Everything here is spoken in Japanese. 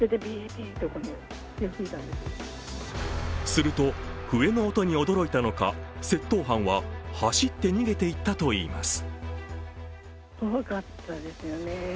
すると、笛の音に驚いたのか、窃盗犯は走って逃げていったといいます。